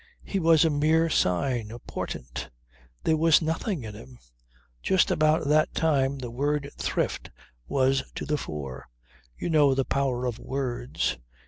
"He was a mere sign, a portent. There was nothing in him. Just about that time the word Thrift was to the fore. You know the power of words.